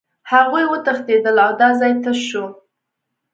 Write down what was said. هغوی وتښتېدل او دا ځای تش شو